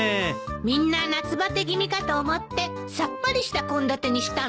みんな夏バテ気味かと思ってさっぱりした献立にしたのよ。